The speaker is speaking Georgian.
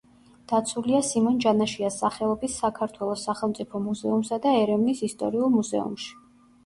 დაცულია სიმონ ჯანაშიას სახელობის საქართველოს სახელმწიფო მუზეუმსა და ერევნის ისტორიულ მუზეუმში.